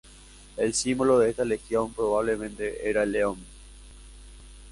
El símbolo de esta legión probablemente era el león.